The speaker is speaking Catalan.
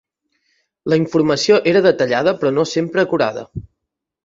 La informació era detallada però no sempre acurada.